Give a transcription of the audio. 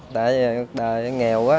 tại giờ đời nghèo quá